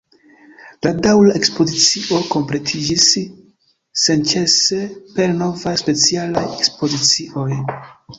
La daŭra ekspozicio kompletiĝis senĉese per novaj specialaj ekspozicioj.